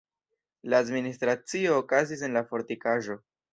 La administracio okazis en la fortikaĵo.